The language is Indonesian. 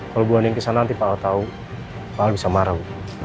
kalau bu andin kesana nanti pak al tau pak al bisa marah